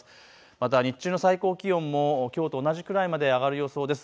また日中の最高気温もきょうと同じくらいまで上がる予想です。